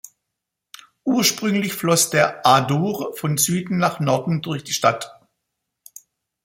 Ursprünglich floss der Adour von Süden nach Norden durch die Stadt.